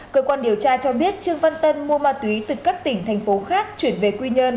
cơ quan điều tra cho biết trương văn tân mua ma túy từ các tỉnh thành phố khác chuyển về quy nhơn